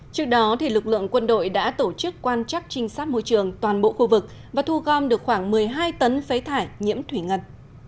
trước đó lực lượng quân đội đã tổ chức quan chắc trinh sát môi trường toàn bộ khu vực và thu gom được khoảng một mươi hai tấn phế thải nhiễm thủy ngân